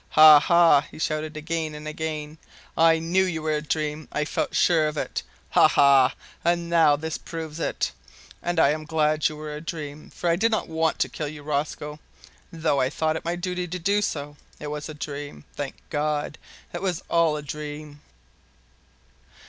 "Ha! ha!" he shouted, again and again, "I knew you were a dream, I felt sure of it ha! ha! and now this proves it. And I'm glad you were a dream, for I did not want to kill you, Rosco, though I thought it my duty to do so. It was a dream thank God, it was all a dream!"